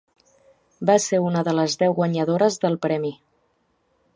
Va ser una de les deu guanyadores del premi.